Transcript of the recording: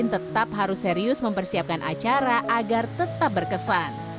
mereka juga menyediakan acara agar tetap berkesan